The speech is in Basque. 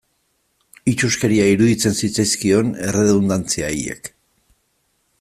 Itsuskeria iruditzen zitzaizkion erredundantzia haiek.